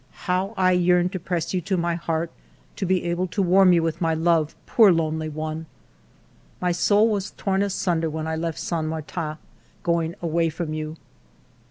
How I yearn to press you to my heart, to be able to warm you with my love, poor lonely one ! ALFRED DREYFUS 95 My soul was torn asunder when I left Saint Martin, going away from you.